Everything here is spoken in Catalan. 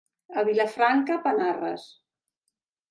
A Vilafranca, panarres.